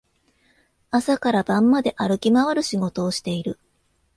朝から晩まで歩き回る仕事をしている